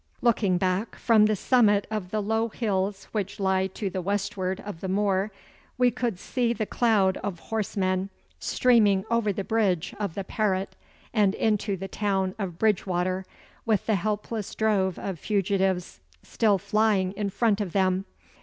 Looking back from the summit of the low hills which lie to the westward of the moor, we could see the cloud of horse men streaming over the bridge of the Parret and into the town of Bridgewater, with the helpless drove of fugitives still flying in front of them.